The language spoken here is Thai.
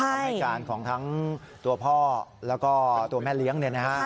ทำให้การของทั้งตัวพ่อแล้วก็ตัวแม่เลี้ยง